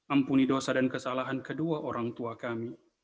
ampuni dosa dan kesalahan kedua orang tua kami